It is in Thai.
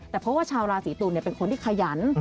แต่เพราะว่าชาวราศีตุลเป็นคนที่ขยัน